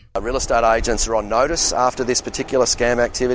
agen real estate diperhatikan setelah aktivitas skema ini